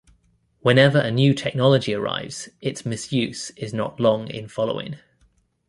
Whenever a new technology arrives, its misuse is not long in following.